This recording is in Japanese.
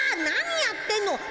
何やってんの。